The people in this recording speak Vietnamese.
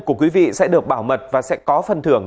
của quý vị sẽ được bảo mật và sẽ có phần thưởng